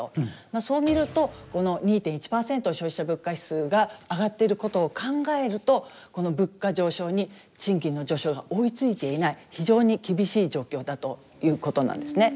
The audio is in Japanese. まあそう見るとこの２．１％消費者物価指数が上がっていることを考えるとこの物価上昇に賃金の上昇が追いついていない非常に厳しい状況だということなんですね。